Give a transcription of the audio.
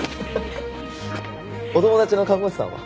お友達の看護師さんは？